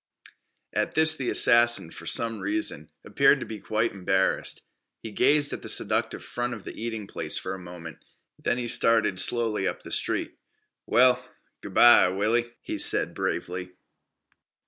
At this the assassin, for some reason, appeared to be quite embarrassed. He gazed at the seductive front of the eating place for a moment. Then he started slowly up the street. "Well, good bye, Willie," he said bravely.